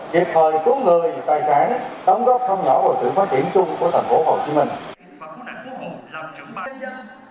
việc khởi cứu người tài sản đóng góp thông ngõ và sự phát triển chung của thành phố hồ chí minh